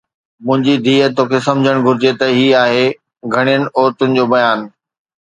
منهنجي ڌيءَ، توکي سمجھڻ گهرجي ته هي آهي گهٽين عورتن جو بيان.